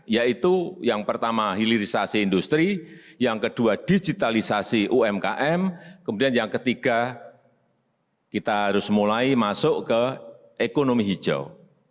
yaitu yang pertama hilirisasi industri yang kedua digitalisasi umkm kemudian yang ketiga kita harus mulai masuk ke ekonomi hijau